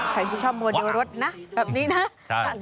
ใครที่ชอบโมนเดียวรถนะแบบนี้นะว้าว